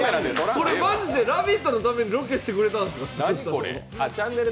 これマジで「ラヴィット！」のためにロケしてくれたんですか？